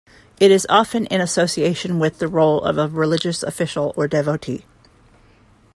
It is often in association with the role of a religious official or devotee.